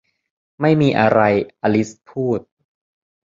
ไม่มีอะไร อลิซพูด